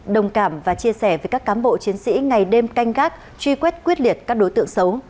đồng cảm và chia sẻ với các cám bộ chiến sĩ ngày đêm canh gác truy quét quyết liệt các đối tượng xấu